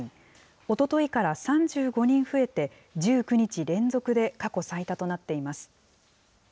おとといから３５人増えて、１９日連続で過去最多となっています。